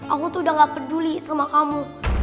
aku tuh udah gak peduli sama kamu